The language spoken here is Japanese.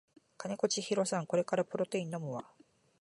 金子千尋さんこれからプロテイン飲むわ